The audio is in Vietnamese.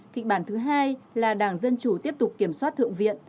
kịch bản thứ hai là đảng dân chủ tiếp tục kiểm soát thượng viện